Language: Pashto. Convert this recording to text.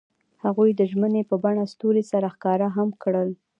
هغوی د ژمنې په بڼه ستوري سره ښکاره هم کړه.